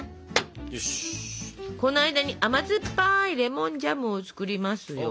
この間に甘酸っぱいレモンジャムを作りますよ。